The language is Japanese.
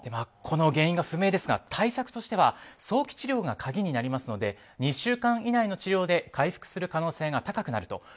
原因が不明ですが対策としては早期治療が鍵になりますので２週間以内の治療で回復する可能性が高くなると。